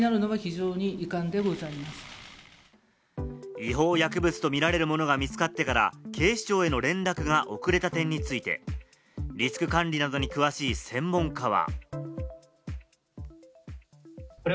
違法薬物と見られるものが見つかってから、警視庁への連絡が遅れた点について、リスク管理などに詳しい専門家は。